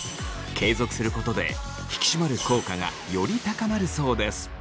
継続することで引き締まる効果がより高まるそうです。